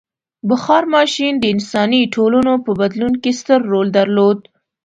• بخار ماشین د انساني ټولنو په بدلون کې ستر رول درلود.